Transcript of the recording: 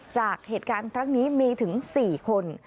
จากเหตุการณ์ครั้งนี้มีถึง๔คน